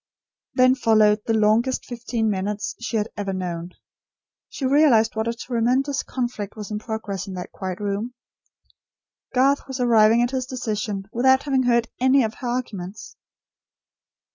Then followed the longest fifteen minutes she had ever known. She realised what a tremendous conflict was in progress in that quiet room. Garth was arriving at his decision without having heard any of her arguments.